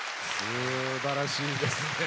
すばらしいですね。